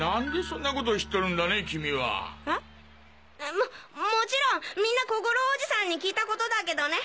ももちろんみんな小五郎おじさんに聞いたことだけどね。